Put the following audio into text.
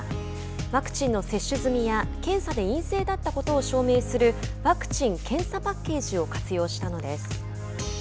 ワクチンの接種済みや検査で陰性だったことを証明する「ワクチン・検査パッケージ」を活用したのです。